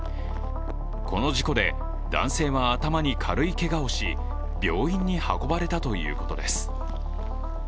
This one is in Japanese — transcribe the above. この事故で男性は頭に軽いけがをし、病院に運ばれということです。